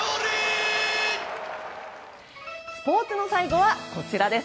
スポーツの最後は、こちらです。